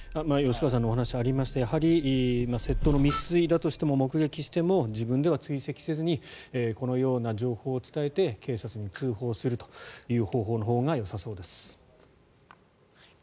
吉川さんのお話にありましたが窃盗未遂だとしても目撃しても自分では追跡せずにこのような情報を伝えて警察に通報するという方法のほうがよさそうです。